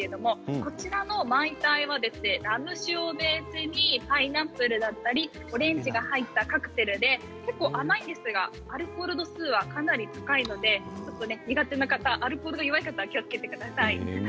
こちらのマイタイはラム酒をベースにパイナップルやオレンジが入ったカクテルで甘いんですがアルコール度数がかなり高いので苦手な方、アルコールに弱い方は気をつけてください。